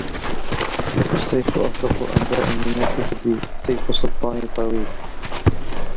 السيف أصدق أنباء من الكتب سيف السلطان طويل